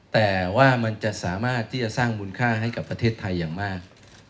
แต่ว่ามันจะสามารถที่จะสร้างมูลค่าให้กับประเทศไทยอย่างมาก